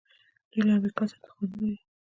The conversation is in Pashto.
دوی له امریکا سره دښمني لري.